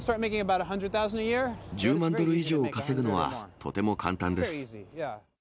１０万ドル以上を稼ぐのは、とても簡単です。